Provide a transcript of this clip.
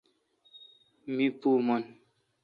می پو من۔